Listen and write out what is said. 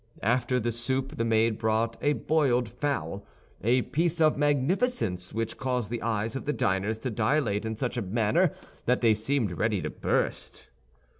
After the soup the maid brought a boiled fowl—a piece of magnificence which caused the eyes of the diners to dilate in such a manner that they seemed ready to burst.